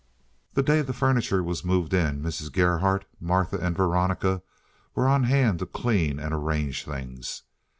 The day the furniture was moved in Mrs. Gerhardt, Martha, and Veronica were on hand to clean and arrange things.